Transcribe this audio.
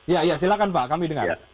ya silakan pak kami dengar